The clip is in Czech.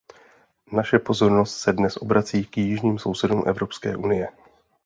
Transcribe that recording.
Naše pozornost se dnes obrací k jižním sousedům Evropské unie.